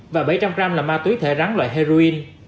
và bảy trăm linh gram ma túy thẻ rắn loại heroin